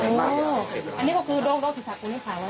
ดูนะครับอันนี้คือมุ้งขา